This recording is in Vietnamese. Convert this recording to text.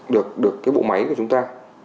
được được cái vụ máy của chúng ta